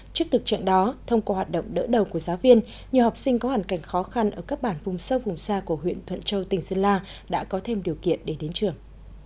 trước thực trạng đó thông qua hoạt động đỡ đầu của giáo viên nhiều học sinh có hoàn cảnh khó khăn ở các bản vùng sâu vùng xa của huyện thuận châu tỉnh sơn la đã có thêm điều kiện để đến trường